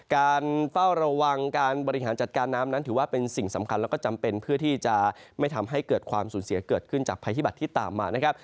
การเฝ้าระวังการบริหารจัดการน้ำนั้นถือว่าเป็นสิ่งสำคัญแล้วก็จำเป็นเพื่อที่จะไม่ทำให้เกิดความสูญเสียเกิดขึ้นจากภัยพิบัตรที่ตามมานะครับ